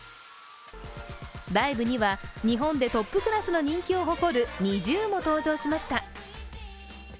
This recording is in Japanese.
ライブには日本でトップクラスの人気を誇るＮｉｚｉＵも登場しました。